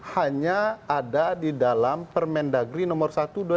hanya ada di dalam permendagri nomor satu dua ribu dua puluh